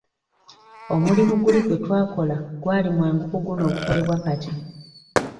Omulimu guli gwe twakola gwali mwangu ku guno ogukolebwa kati.